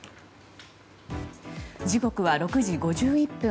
時刻は６時５１分